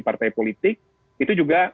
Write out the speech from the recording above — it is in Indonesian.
partai politik itu juga